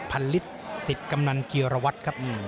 พันลิตรศิษฐ์กำหนังกีฬวัดครับ